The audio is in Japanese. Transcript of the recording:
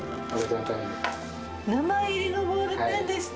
名前入りのボールペンでした。